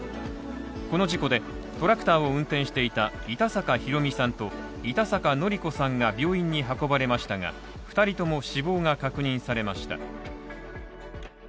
この事故で、トラクターを運転していた板坂弘海さんと板坂典子さんが病院に運ばれましたが、２人とも死亡が確認されました。